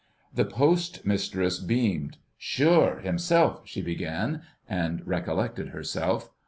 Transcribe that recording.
The Postmistress beamed. "Sure, himself—" she began, and recollected herself.